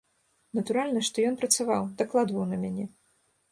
Натуральна, што ён працаваў, дакладваў на мяне.